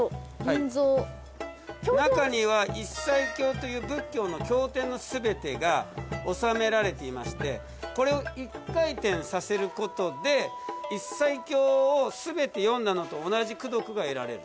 中には一切経という仏教の経典の全てが納められていましてこれを一回転させることで一切経を全て読んだのと同じ功徳が得られる。